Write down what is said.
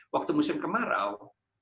waktu musim kemarau